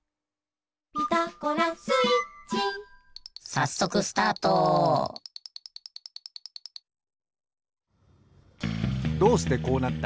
さっそくどうしてこうなった？